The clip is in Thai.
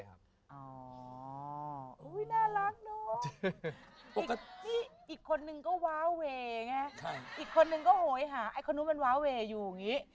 อ๊อออน่ารักเนาะอีกคนนึงก็ไว้ไปอย่างนี้คนนึงก็โหยหะไอ้คนนู้นมันไว้ไปอยู่อย่างนี้